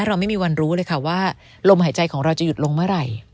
เราไม่มีวันรู้เลยค่ะว่าลมหายใจของเราจะหยุดลงเมื่อไหร่